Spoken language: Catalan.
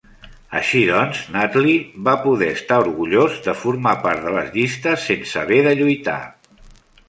Així doncs, Nately va poder estar orgullós de formar part de les llistes sense haver de lluitar.